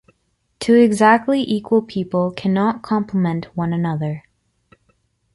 Two exactly equal people cannot complement one another.